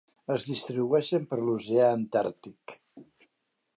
Es distribueixen per l'Oceà Antàrtic.